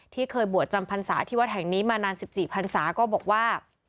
ที่เคยบวชจำพรรษาที่วัดแห่งนี้มานานสิบสี่พรรษาก็บอกว่า